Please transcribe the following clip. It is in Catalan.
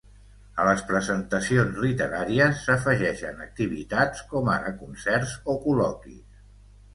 A les presentacions literàries, s’afegeixen activitats com ara concerts o col·loquis.